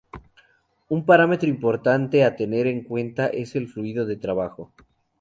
Un parámetro importante a tener en cuenta es el fluido de trabajo.